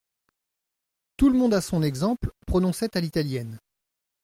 Tout le monde à son exemple, prononçait à l'italienne.